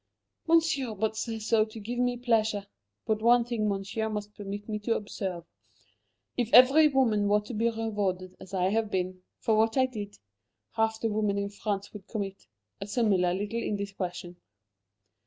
"Monsieur but says so to give me pleasure. But one thing Monsieur must permit me to observe: If every woman were to be rewarded, as I have been, for what I did, half the women in France would commit a similar little indiscretion."